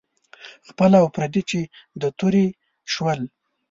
خپل او پردي چې د تورې شول.